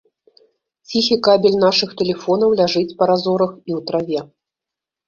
Ціхі кабель нашых тэлефонаў ляжыць па разорах і ў траве.